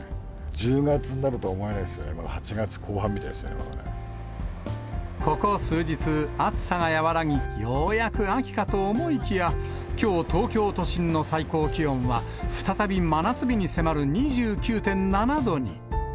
１０月になるとは思えないですよね、まだ８月後半みたいですね、ここ数日、暑さが和らぎ、ようやく秋かと思いきや、きょう、東京都心の最高気温は、再び真夏日に迫る２９．７度に。